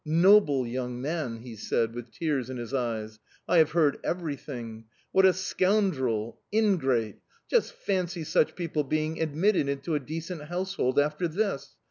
"Noble young man!" he said, with tears in his eyes. "I have heard everything. What a scoundrel! Ingrate!... Just fancy such people being admitted into a decent household after this!